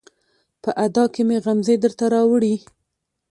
په ادا کې مې غمزې درته راوړي